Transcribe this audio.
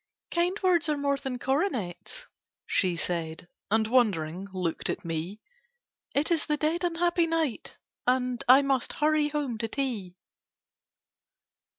"Kind words are more than coronets," She said, and wondering looked at me: "It is the dead unhappy night, and I must hurry home to tea."